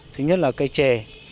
thứ nhất là cây trề